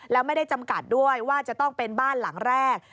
แล้วไม่ได้จำกัดด้วยว่าจะต้องเป็นบ้านหลังแรก